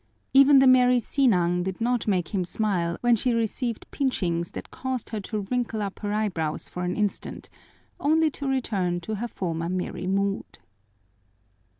Even the merry Sinang did not make him smile when she received pinchings that caused her to wrinkle up her eyebrows for an instant, only to return to her former merry mood.